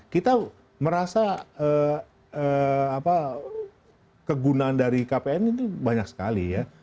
kita merasa kegunaan dari kpn itu banyak sekali ya